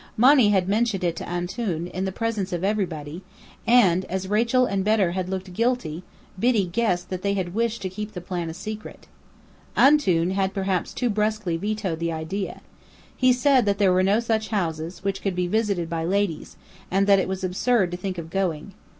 Monny had mentioned it to "Antoun," in the presence of everybody; and as Rachel and Bedr had looked guilty, Biddy guessed that they had wished to keep the plan a secret. "Antoun" had perhaps too brusquely vetoed the idea. He said that there were no such houses, which could be visited by ladies, and that it was absurd to think of going.